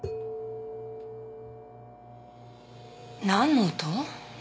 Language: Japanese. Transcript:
なんの音？